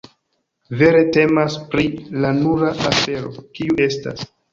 Vere temas pri la nura afero, kiu estas.